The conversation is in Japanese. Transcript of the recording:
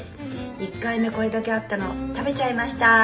「１回目これだけあったの食べちゃいました」